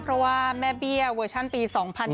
เพราะว่าแม่เบี้ยเวอร์ชันปี๒๐๒๐